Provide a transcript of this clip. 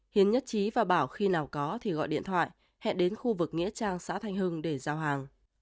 hiến nhất trí và bảo khi nào có thì gọi điện thoại hẹn đến khu vực nghĩa trang xã thanh hưng để giao hàng